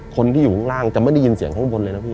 คนที่อยู่ข้างล่างจะไม่ได้ยินเสียงข้างบนเลยนะพี่